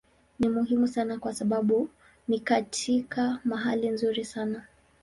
Ni muhimu sana kwa sababu ni katika mahali nzuri sana.